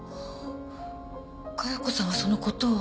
加代子さんはそのことを？